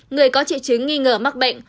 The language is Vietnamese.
người có triệu chứng nghi ngờ mắc bệnh